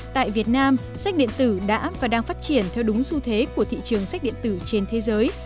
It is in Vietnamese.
tại việt nam sách điện tử đã và đang phát triển theo đúng xu thế của thị trường sách điện tử trên thế giới